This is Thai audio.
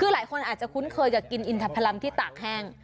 คือหลายคนอาจจะคุ้นเคยกับกินอินทพลัมที่ตากแห้ง